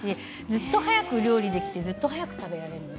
ずっと早く料理ができてずっと早く食べられます。